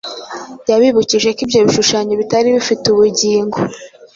Yabibukije ko ibyo bishushanyo bitari bifite ubugingo,